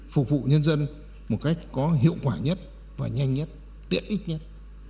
phục vụ nhân dân một cách có hiệu quả nhất và nhanh nhất tiện ích nhất